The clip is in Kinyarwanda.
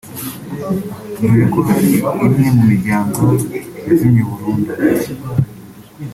dore ko hari imwe mu miryango yazimye burundu